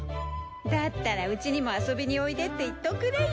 だったらうちにも遊びにおいでって言っとくれよ。